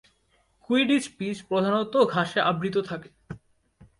Quidditch pitch প্রধানত ঘাসে আবৃত থাকে।